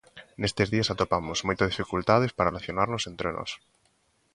Nestes días atopamos moitas dificultades para relacionarnos entre nós.